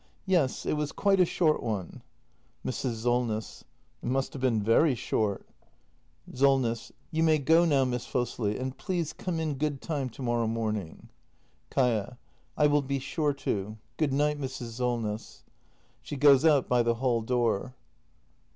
Yes, it was quite a short one. Mrs. Solness. It must have been very short. 268 THE MASTER BUILDER [act i SOLNESS. You may go now, Miss Fosli. And please come in good time to morrow morning. Kaia. I will be sure to. Good night, Mrs. Solness. [She goes out by the hall door.